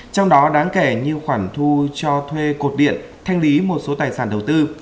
trong đó đáng kể như khoản thu cho thuê cột điện thanh lý một số tài sản đầu tư